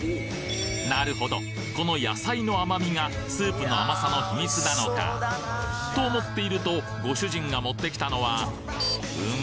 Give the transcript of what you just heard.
なるほどこの野菜の甘みがスープの甘さの秘密なのかと思っているとご主人が持ってきたのはうん？